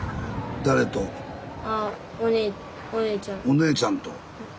お姉ちゃんと。